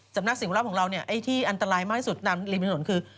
สำนักสิ่งแวบของเราเนี่ยไอ้ที่อันตรายมากที่สุดตามริมถนนคือ